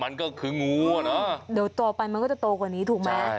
มันก็คืองูอ่ะเนอะเดี๋ยวโตไปมันก็จะโตกว่านี้ถูกไหม